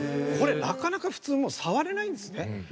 これなかなか普通触れないんですね。